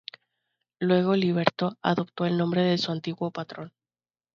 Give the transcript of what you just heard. Luego liberto, adoptó el nombre de su antiguo patrón.